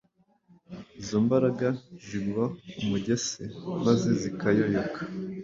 izo mbaraga zigwa umugese maze zikayoyoka.